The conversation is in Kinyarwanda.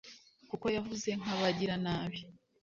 kuko yavuze nk'abagiranabi